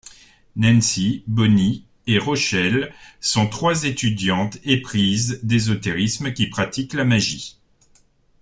Nancy, Bonnie et Rochelle sont trois étudiantes éprises d'ésotérisme qui pratiquent la magie.